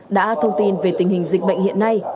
đã thông tin về tình hình dịch bệnh hiện nay